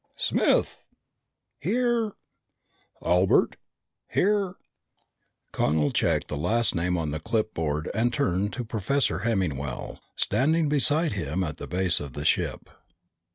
"Smith!" "Here!" "Albert!" "Here!" Connel checked the last name on the clipboard and turned to Professor Hemmingwell standing beside him at the base of the ship.